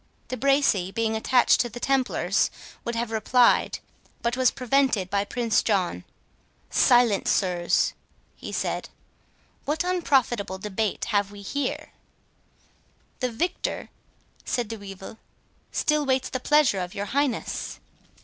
De Bracy, being attached to the Templars, would have replied, but was prevented by Prince John. "Silence, sirs!" he said; "what unprofitable debate have we here?" "The victor," said De Wyvil, "still waits the pleasure of your highness."